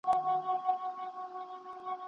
هستي به وه که نه، خو